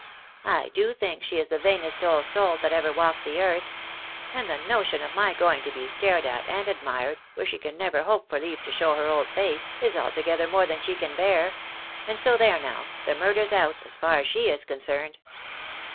I do think she is the vainest old soul that ever walked the earth ; and the notion of my going to be stared at, and admired, where she can never hope for leave SYMPTOMS OT StTCCFSST UL BtTSINESS. 287 to show her old face, is altogether more than she can bear ; and so there now, the murder's out, as far as she is concerned."